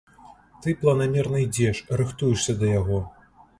Ты планамерна ідзеш, рыхтуешся да яго.